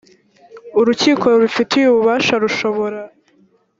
urukiko rubifitiye ububasha rushobora